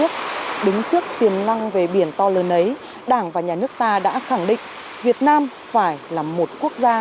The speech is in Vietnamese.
xin chào và hẹn gặp lại